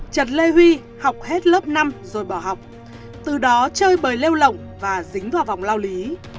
trần lê huy học hết lớp năm rồi bỏ học từ đó chơi bời lêu lỏng và dính vào vòng lao lý